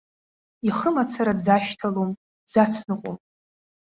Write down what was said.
Ихы мацара дзашьҭалом, дзацныҟәом.